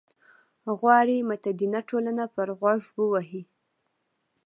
غواړي متدینه ټولنه پر غوږ ووهي.